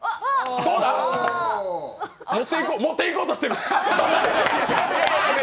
もっていこうとしてる！